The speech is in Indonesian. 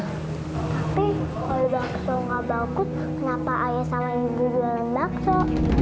tapi kalau bakso gak bagus kenapa ayah sama ibu jualan bakso